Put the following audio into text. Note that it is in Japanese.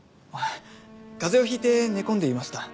風邪を引いて寝込んでいました。